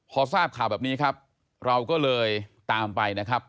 พอทราบข่าวแบบนี้ครับเราก็เลยตามไปนะครับ